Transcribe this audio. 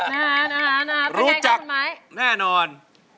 นะฮะเป็นไงครับคุณไม้รู้จักแน่นอน